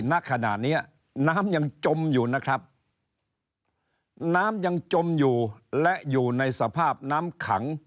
ณขณะเนี้ยน้ำยังจมอยู่นะครับน้ำยังจมอยู่และอยู่ในสภาพน้ำขัง